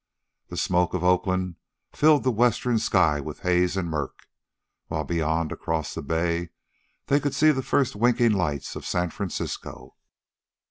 The smoke of Oakland filled the western sky with haze and murk, while beyond, across the bay, they could see the first winking lights of San Francisco.